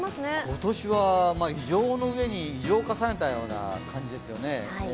今年は異常の上に異常を重ねたような感じですよね。